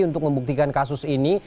untuk membuktikan kasus ini